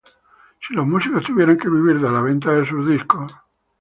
si los músicos tuvieran que vivir de la venta de sus discos